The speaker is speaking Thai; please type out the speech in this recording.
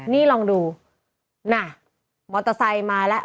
นี่ลองดูน่ะมอเตอร์ไซค์มาแล้ว